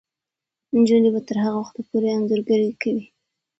نجونې به تر هغه وخته پورې انځورګري کوي.